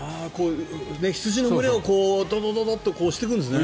羊の群れをドドドッと押してくんですね。